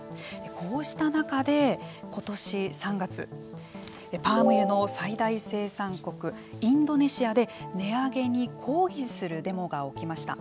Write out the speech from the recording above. こうした中で、今年３月パーム油の最大生産国インドネシアで値上げに抗議するデモが起きました。